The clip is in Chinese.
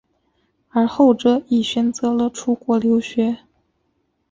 而后者亦选择了出国留学。